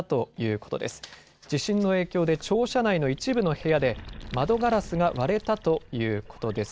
この地震の影響で庁舎内の一部の部屋で窓ガラスが割れたということです。